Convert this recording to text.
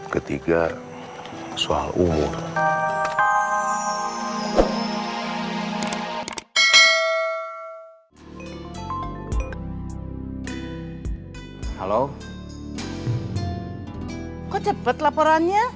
ketiga soal umur